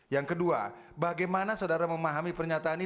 yang kedua bagaimana saudara memahami pernyataan ini